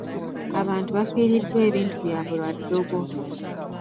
Abantu bafiiriddwa ebintu byabwe lwa ddogo.